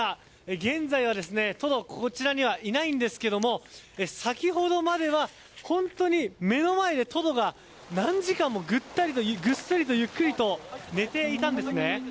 現在はトドこちらにはいないんですが先ほどまでは本当に目の前でトドが何時間もぐっすりとゆっくりと寝ていたんですね。